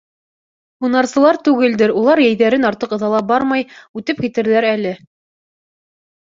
«Һунарсылар түгелдер, улар йәйҙәрен артыҡ ыҙалап бармай, үтеп китерҙәр әле».